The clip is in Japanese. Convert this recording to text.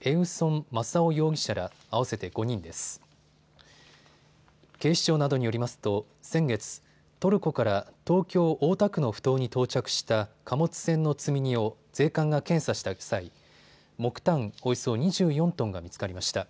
警視庁などによりますと先月、トルコから東京大田区のふ頭に到着した貨物船の積み荷を税関が検査した際、木炭およそ２４トンが見つかりました。